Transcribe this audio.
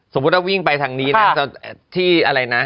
สมมุติวิ่งไปทางนี้